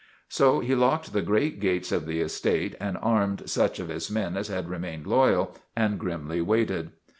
So he locked the great gates of the estate and armed such of his men as had remained loyal, and grimly waited.